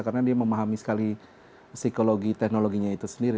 karena dia memahami sekali psikologi teknologinya itu sendiri